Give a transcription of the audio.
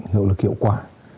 hiệu lực hiệu quả